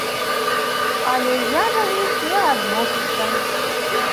Але я да іх не адношуся.